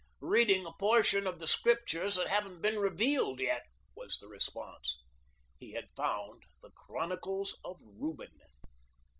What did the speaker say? " Reading a portion of the Scriptures that hav'n't been revealed yet," was the response. He had found the " Chronicles of Reuben."